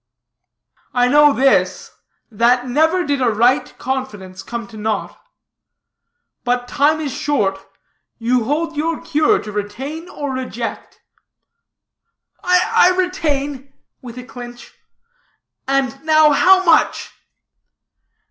"I know this, that never did a right confidence, come to naught. But time is short; you hold your cure, to retain or reject." "I retain," with a clinch, "and now how much?"